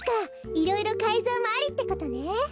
いろいろかいぞうもありってことね。